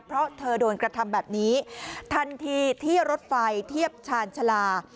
เพราะเธอโดนกระทำแบบนี้ทันทีที่รถไฟเทียบชาญชาลา